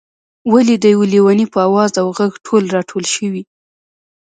ولې د یو لېوني په آواز او غږ ټول راټول شوئ.